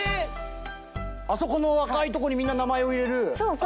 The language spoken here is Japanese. あそこの赤いとこにみんな名前を入れるあの神社。